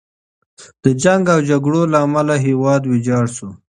د جنګ او جګړو له امله هیواد ویجاړ شو.